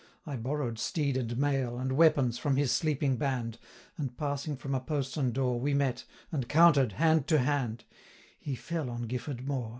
I borrow'd steed and mail, And weapons, from his sleeping band; And, passing from a postern door, 240 We met, and 'counter'd, hand to hand, He fell on Gifford moor.